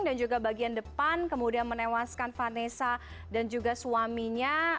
dan juga bagian depan kemudian menewaskan vanessa dan juga suaminya